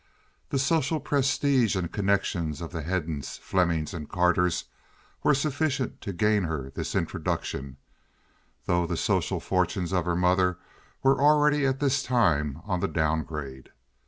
The social prestige and connections of the Heddens, Flemings, and Carters were sufficient to gain her this introduction, though the social fortunes of her mother were already at this time on the down grade.